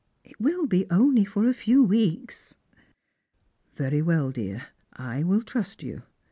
It wiH be only for a few weeks." " Very well, dear, I will trust you.